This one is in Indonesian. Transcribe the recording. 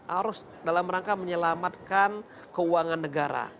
harus dalam rangka menyelamatkan keuangan negara